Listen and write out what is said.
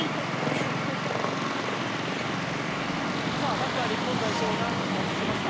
サッカー日本代表が帰国しました。